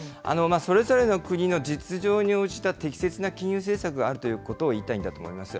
それぞれの国の実情に応じた適切な金融政策があるということを言いたいんだと思います。